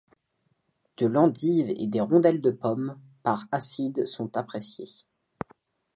De l'endive et des rondelles de pommes pas acides sont appréciées.